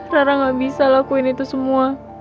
rara gak bisa lakuin itu semua